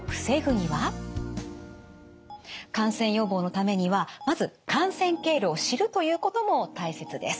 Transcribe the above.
感染予防のためにはまず感染経路を知るということも大切です。